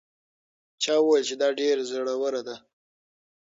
چا وویل چې دا ډېره زړه وره ده.